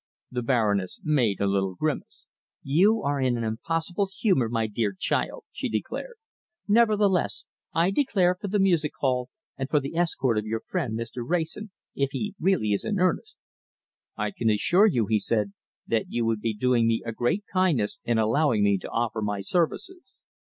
The Baroness made a little grimace. "You are in an impossible humour, my dear child," she declared. "Nevertheless, I declare for the music hall, and for the escort of your friend, Mr. Wrayson, if he really is in earnest." "I can assure you," he said, "that you would be doing me a great kindness in allowing me to offer my services."